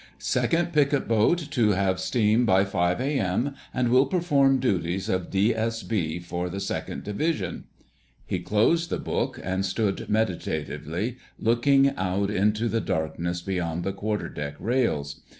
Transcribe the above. "Second Picket Boat to have steam by 5 A.M., and will perform duties of D.S.B. for the Second Division." He closed the book and stood meditatively looking out into the darkness beyond the quarter deck rails.